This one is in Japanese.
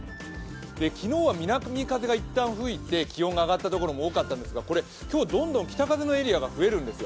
昨日は南風が一旦吹いて気温が上がったところも多かったんですが、これ今日、どんどん北風のエリアが増えるんですよ。